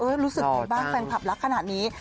รู้สึกไงบ้างแฟนคลับรักขนาดนี้